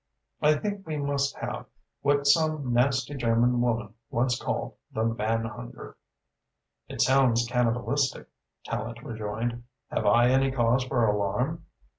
I think we must have what some nasty German woman once called the man hunger." "It sounds cannibalistic," Tallente rejoined. "Have I any cause for alarm?"